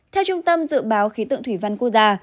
theo trung tâm dự báo khí tượng thủy văn quốc gia